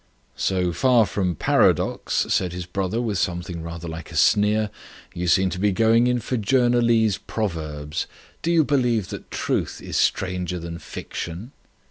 "So far from paradox," said his brother, with something rather like a sneer, "you seem to be going in for journalese proverbs. Do you believe that truth is stranger than fiction?"